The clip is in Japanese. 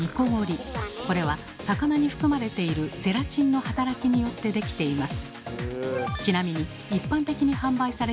これは魚に含まれているゼラチンの働きによって出来ています。